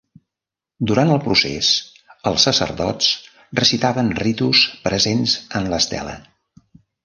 Durant el procés, els sacerdots recitaven ritus presents en l'estela.